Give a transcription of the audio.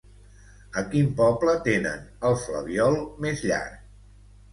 A quin poble tenen el flabiol més llarg?